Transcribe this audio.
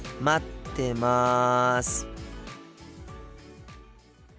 待ってます。